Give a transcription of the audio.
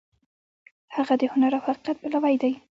هغه د هنر او حقیقت پلوی دی.